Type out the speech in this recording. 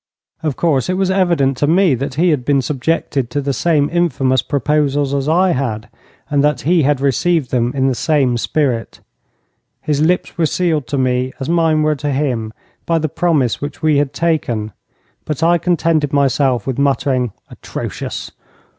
Of course it was evident to me that he had been subjected to the same infamous proposals as I had, and that he had received them in the same spirit. His lips were sealed to me, as mine were to him, by the promise which we had taken, but I contented myself with muttering 'Atrocious!